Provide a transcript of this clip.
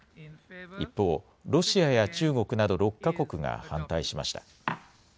一方、ロシアや中国など６か国が反対しました。